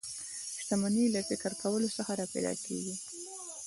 شتمني له فکر کولو څخه را پیدا کېږي